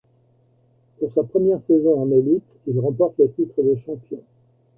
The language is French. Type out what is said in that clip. Pour sa première saison en élite, il remporte le titre de champion.